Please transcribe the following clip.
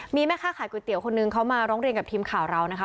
มีแม่ค้าขายก๋วยเตี๋ยวคนนึงเขามาร้องเรียนกับทีมข่าวเรานะคะ